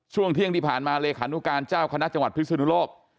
ช่วงเที่ยงที่ผ่านมาเลขานุการเจ้าคณะจังหวัดพิศนุโลก